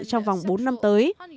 trong vòng bốn năm tới